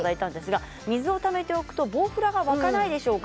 水をためておくとボウフラがわかないでしょうか